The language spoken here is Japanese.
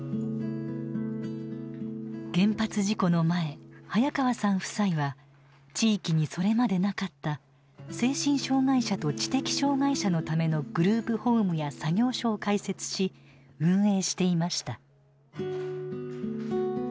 原発事故の前早川さん夫妻は地域にそれまでなかった精神障害者と知的障害者のためのグループホームや作業所を開設し運営していました。